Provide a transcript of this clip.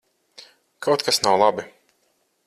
Kaut kas nav labi?